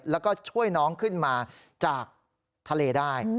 แล้วก็ช่วยน้องขึ้นมาจากทะเลได้